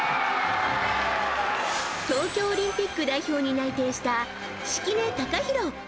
東京オリンピック代表に内定した敷根崇裕。